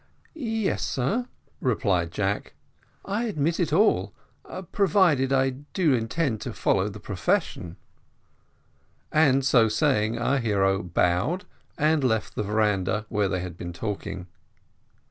"Yes, sir," replied Jack, "I admit it all, provided I do intend to follow the profession;" and so saying, our hero bowed, and left the veranda where they had been talking.